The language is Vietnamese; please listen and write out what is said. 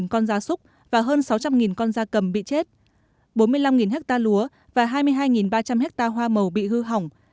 ba con da súc và hơn sáu trăm linh con da cầm bị chết bốn mươi năm ha lúa và hai mươi hai ba trăm linh ha hoa màu bị hư hỏng